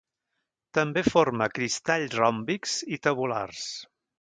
També forma cristalls ròmbics i tabulars.